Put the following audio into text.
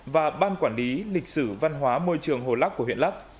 và ban quản lý lịch sử văn hóa môi trường hồ lắc của huyện lắc